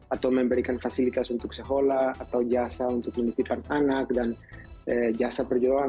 atau memberikan fasilitas untuk seholah atau jasa untuk menitipan anak dan jasa perjodohan